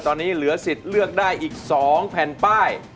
ตอนนี้เหลือสิทธิ์เลือกได้อีก๒แผ่นป้าย